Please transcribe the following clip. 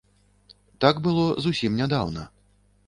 Так было зусім нядаўна.